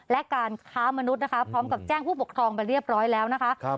และการค้ามนุษย์นะคะพร้อมกับแจ้งผู้ปกครองไปเรียบร้อยแล้วนะคะ